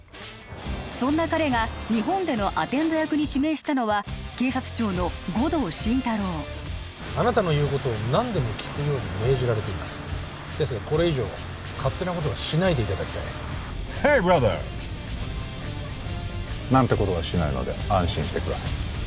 そんな彼が日本でのアテンド役に指名したのは警察庁の護道心太朗あなたの言うことを何でも聞くように命じられていますですがこれ以上勝手なことはしないでいただきたいヘイブラザー！なんてことはしないので安心してください